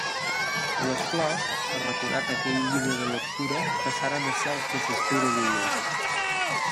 Les flors, arraconat aquell llibre de lectura, passaren a ser el que s'espera d'elles.